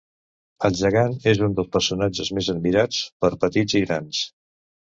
El Gegant és un dels personatges més admirat per petits i grans.